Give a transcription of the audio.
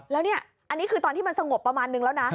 แล้วนี่อันนี้คือตอนที่มันสงบประมาณนึงแล้วนะ